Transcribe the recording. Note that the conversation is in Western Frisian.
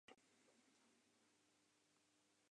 It hoecht om my net oars.